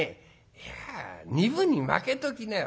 「いや二分にまけときなよ」。